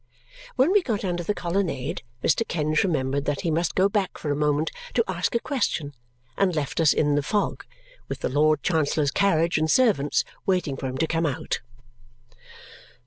When we got under the colonnade, Mr. Kenge remembered that he must go back for a moment to ask a question and left us in the fog, with the Lord Chancellor's carriage and servants waiting for him to come out.